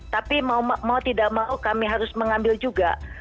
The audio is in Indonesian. tapi mau tidak mau kami harus mengambil juga